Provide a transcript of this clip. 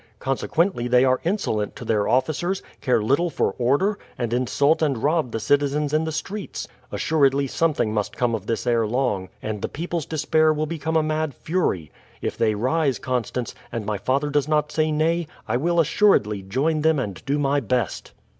Consequently they are insolent to their officers, care little for order, and insult and rob the citizens in the streets. Assuredly something must come of this ere long; and the people's despair will become a mad fury. If they rise, Constance, and my father does not say nay, I will assuredly join them and do my best.